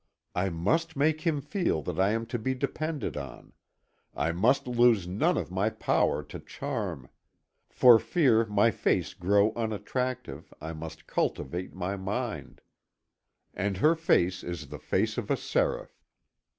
I must make him feel that I am to be depended on; I must lose none of my power to charm; for fear my face grow unattractive, I must cultivate my mind," and her face is the face of a seraph.